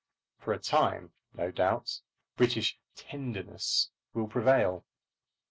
For a time, no doubt, British "tenderness" will prevail.